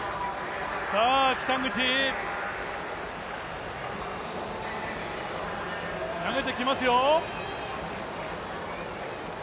さあ、北口、投げてきますよ。